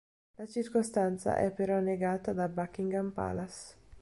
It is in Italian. La circostanza è però negata da Buckingham Palace.